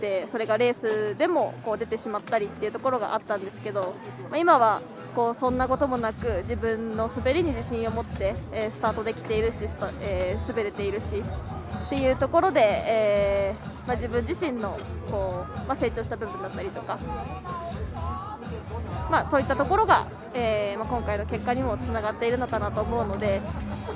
それがレースでも出てしまったりというところがあったんですけど今はそんなこともなく自分の滑りに自信を持ってスタートできているし滑れているしっていうところで自分自身の成長した部分だったりそういったところが今回の結果にもつながっているのかなと思うので。